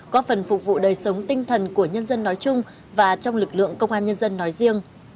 có phần phục vụ đời sống tinh thần của nhân dân nói chung và trong lực lượng công an nhân dân nói riêng